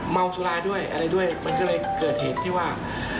เมาสุราด้วยอะไรด้วยมันก็เลยเกิดเหตุที่ว่า